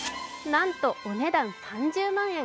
なんと、お値段３０万円。